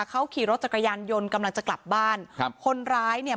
เขาขี่รถจักรยานยนต์กำลังจะกลับบ้านครับคนร้ายเนี่ย